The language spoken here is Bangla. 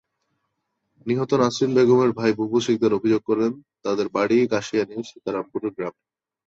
নিহত নাসরিন বেগমের ভাই বাবুল সিকদার অভিযোগ করেন, তাঁদের বাড়ি কাশিয়ানীর সিতারামপুর গ্রামে।